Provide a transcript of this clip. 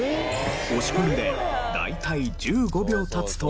押し込んで大体１５秒経つと。